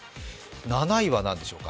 ７位は何でしょうか？